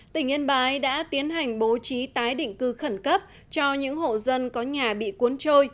tỉnh yên bái đã tiến hành bố trí tái định cư khẩn cấp cho những hộ dân có nhà bị cuốn trôi